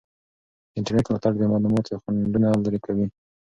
د انټرنیټ ملاتړ د معلوماتو خنډونه لرې کوي.